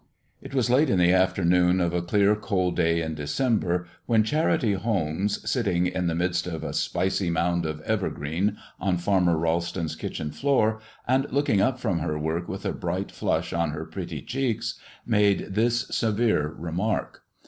It was late in the afternoon of a clear, cold day in December when Charity Holmes, sitting in the midst of a spicy mound of evergreen on Farmer Ralston's kitchen floor, and looking up from her work with a bright flush on her pretty cheeks, made this severe remark.